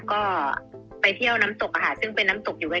ก็ไปเที่ยวน้ำศกอะค่ะซึ่งเป็นน้ำศกอยู่ไว้ใกล้บ้าน